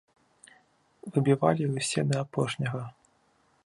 Выбівалі ўсе да апошняга.